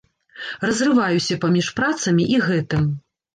Разрываюся паміж працамі і гэтым.